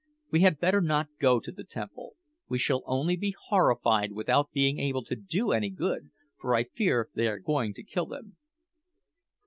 We had better not go to the temple. We shall only be horrified without being able to do any good, for I fear they are going to kill them."